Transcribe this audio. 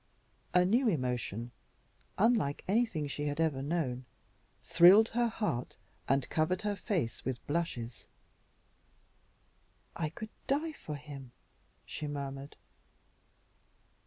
A new emotion, unlike anything she had ever known, thrilled her heart and covered her face with blushes. "I could die for him!" she murmured.